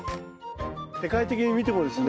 世界的に見てもですね